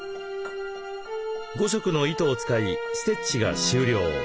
５色の糸を使いステッチが終了。